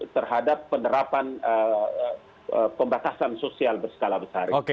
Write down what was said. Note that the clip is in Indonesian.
terhadap penerapan pembatasan sosial berskala besar